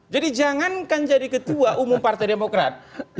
jadi jangankan jadi ketua umum partai demokrat